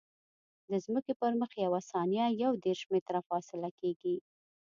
د ځمکې پر مخ یوه ثانیه یو دېرش متره فاصله کیږي